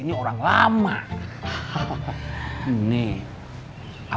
nfulness paka suek